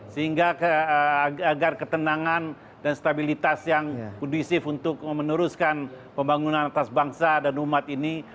sehingga agar ketenangan dan stabilitas yang kondisif untuk meneruskan pembangunan atas bangsa dan umat ini